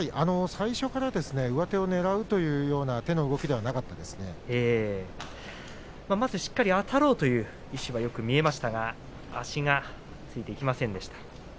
最初から上手をねらうというような手の動きではまずしっかりあたろうという意思もよく見えましたが足がついていきませんでした。